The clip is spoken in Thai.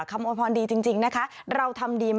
คำโอยพรดีจริงนะคะ